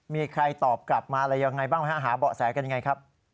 มีใครตอบกลับมาอะไรยังไงบ้างไหมฮะหาเบาะแสกันยังไงครับ